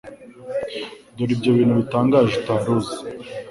Dore ibyo bintu bitangaje utari uzi